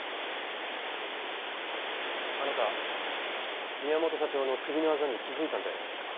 あなた宮本社長の首のあざに気づいたんじゃありませんか？